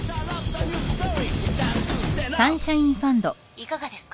いかがですか？